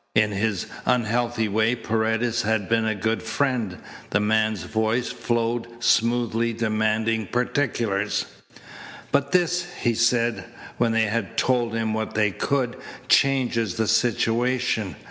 In his unhealthy way Paredes had been a good friend. The man's voice flowed smoothly, demanding particulars. "But this," he said, when they had told him what they could, "changes the situation.